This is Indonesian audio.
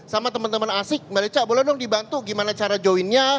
sama temen temen asik mereca boleh dong dibantu gimana cara joinnya